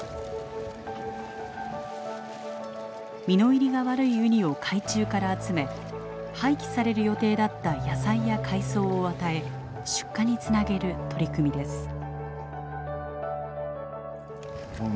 身の入りが悪いウニを海中から集め廃棄される予定だった野菜や海藻を与え出荷につなげる取り組みです。